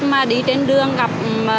mà đi trên đường gặp